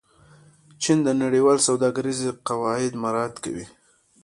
چین د نړیوالې سوداګرۍ قواعد مراعت کوي.